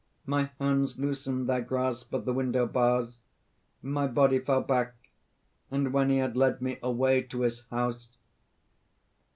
My hands loosened their grasp of the window bars; my body fell back, and when he had led me away to his house...."